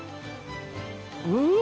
うん！